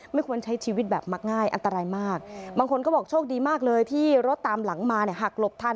ไม่ควรใช้ชีวิตแบบมักง่ายอันตรายมากบางคนก็บอกโชคดีมากเลยที่รถตามหลังมาเนี่ยหักหลบทัน